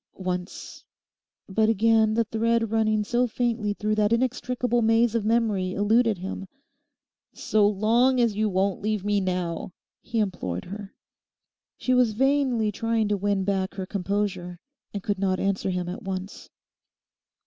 Once—' But again the thread running so faintly through that inextricable maze of memory eluded him. 'So long as you won't leave me now!' he implored her. She was vainly trying to win back her composure, and could not answer him at once....